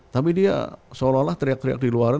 tapi dia seolah olah teriak teriak di luar